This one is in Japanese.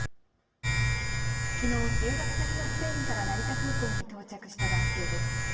きのう、留学先のスペインから成田空港に到着した男性です。